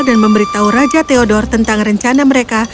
dan memberitahu raja theodore tentang rencana mereka